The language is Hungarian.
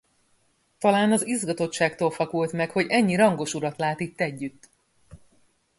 Talán az izgatottságtól fakult meg, hogy ennyi rangos urat lát itt együtt!